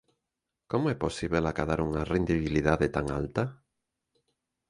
Como é posíbel acadar unha rendibilidade tan alta?